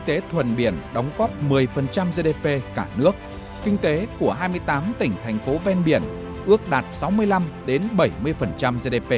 tế thuần biển đóng góp một mươi gdp cả nước kinh tế của hai mươi tám tỉnh thành phố ven biển ước đạt sáu mươi năm bảy mươi gdp